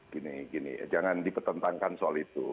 gini gini jangan dipertentangkan soal itu